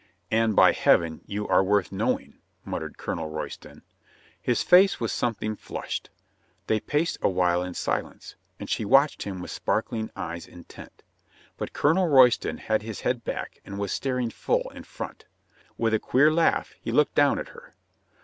"And, by Heaven, you are worth knowing," mut tered Colonel Royston. His face was something flushed. They paced on a while in silence, and she watched him with sparkling eyes intent. But Colonel Royston had his head back and was staring full in front. With a queer laugh he looked down at her.